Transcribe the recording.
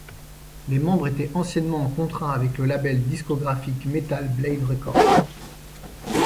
Les membres étaient anciennement en contrat avec le label discographique Metal Blade Records.